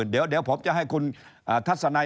เดี๋ยวผมจะให้คุณทัศนัย